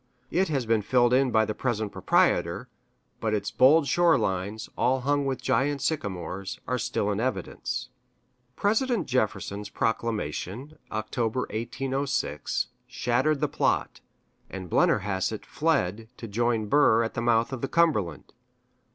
It has been filled in by the present proprietor, but its bold shore lines, all hung with giant sycamores, are still in evidence. President Jefferson's proclamation (October, 1806) shattered the plot, and Blennerhassett fled to join Burr at the mouth of the Cumberland.